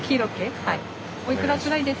はい。